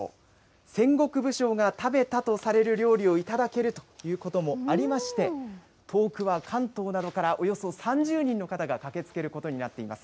戦国武将が食べたとされる料理を頂けるということもありまして、遠くは関東などからおよそ３０人の方が駆けつけることになっています。